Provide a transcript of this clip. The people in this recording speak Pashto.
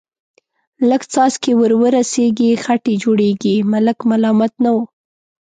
لږ څاڅکي ور ورسېږي، خټې جوړېږي، ملک ملامت نه و.